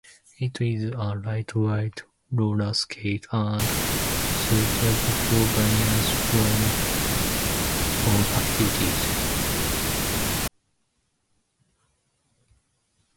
It is a lightweight roller skate, and suitable for various forms of activities.